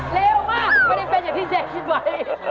เร็วมากไม่ได้เป็นอย่างที่เจ๊คิดไว้